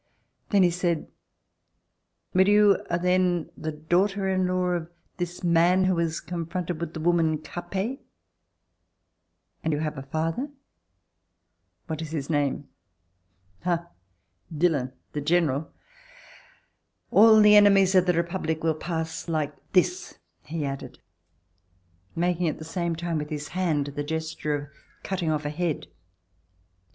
Then he said: "But you are then the daughter in law of this man who was confronted with the woman Capet ?... And you have a father .\.. What is his name .?... Ah ! Dillon, the General ?... All the ene mies of the Republic will pass like this," he added, making at the same time Xvith his hand the gesture of cutting off a head.